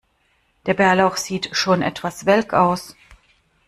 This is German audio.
Der Bärlauch sieht schon etwas welk aus.